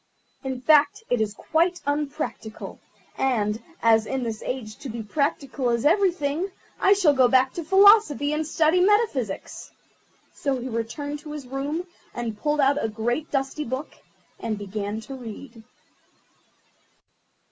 In fact, it is quite unpractical, and, as in this age to be practical is everything, I shall go back to Philosophy and study Metaphysics." So he returned to his room and pulled out a great dusty book, and began to read.